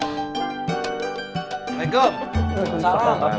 kalimungan tentang kemarin ec dimensional kemarin dedek pakai seragam sekolah dikemimp teachers